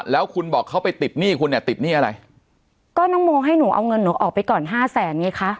แล้วคุณบอกเขาไปติดหนี้คุณเนี่ยติดหนี้อะไรก็น้องโมให้หนูเอาเงินหนูออกไปก่อนห้าแสนไงคะ